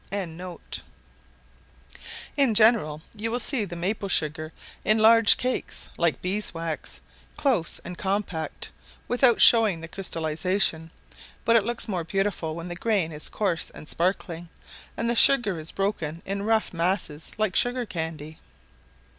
] In general you see the maple sugar in large cakes, like bees' wax, close and compact, without showing the crystallization; but it looks more beautiful when the grain is coarse and sparkling, and the sugar is broken in rough masses like sugar candy.